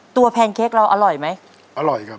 แพนเค้กเราอร่อยไหมอร่อยครับ